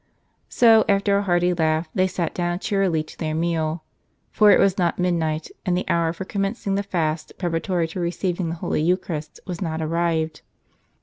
So, after a hearty laugh, they sat down cheerfully to their meal ; for it was not midnight, and the hour for commencing the fast, preparatory to receiving the holy Eucharist, was not arrived.